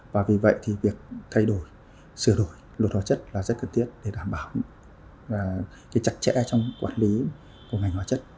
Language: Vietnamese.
và vì vậy thì việc thay đổi sửa đổi luật hóa chất là rất cần thiết để đảm bảo cái chặt chẽ trong quản lý của ngành hóa chất